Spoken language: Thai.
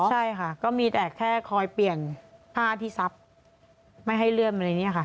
ใช่ค่ะก็มีแค่คอยเปลี่ยนผ้าที่ซับไม่ให้เลือดอะไรเนี่ยค่ะ